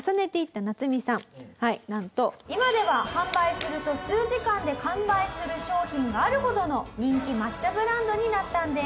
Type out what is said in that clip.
はいなんと今では販売すると数時間で完売する商品があるほどの人気抹茶ブランドになったんです。